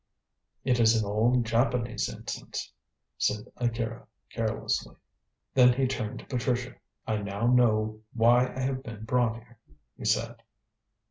"It is an old Japanese incense," said Akira carelessly; then he turned to Patricia. "I now know why I have been brought here," he said.